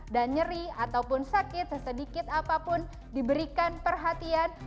dan nyeri ataupun sakit sesedikit apapun diberikan perhatian